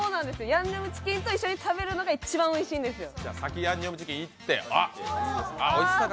ヤンニョムチキンと食べるのが一番おいしいんですよ。